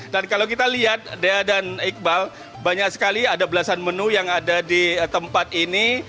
dan kalau kita lihat dea dan iqbal banyak sekali ada belasan menu yang ada di tempat ini